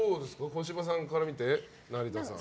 小芝さんから見て成田さん。